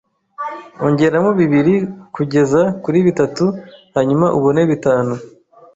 Ongeramo bibiri kugeza kuri bitatu, hanyuma ubone bitanu.